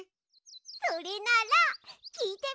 それならきいてみよう！